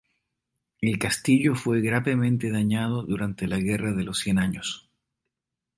El castillo fue gravemente dañado durante la Guerra de los Cien Años.